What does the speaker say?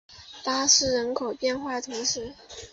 巴斯人口变化图示